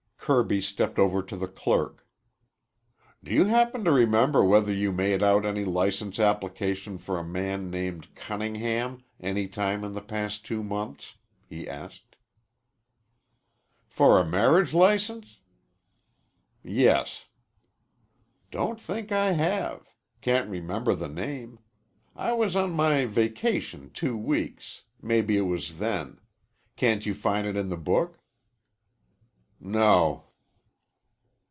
Kirby stepped over to the clerk. "Do you happen to remember whether you made out any license application for a man named Cunningham any time in the past two months?" he asked. "For a marriage license?" "Yes." "Don't think I have. Can't remember the name. I was on my vacation two weeks. Maybe it was then. Can't you find it in the book?" "No."